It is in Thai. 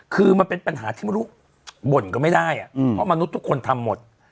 คือมันเป็นปัญหาที่ไม่รู้บ่นก็ไม่ได้เพราะมนุษย์ทุกคนทำหมด